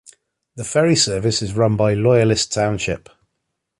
The ferry service is run by Loyalist Township.